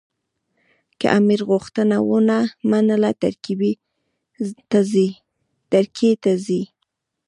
که امیر غوښتنه ونه منله ترکیې ته ځي.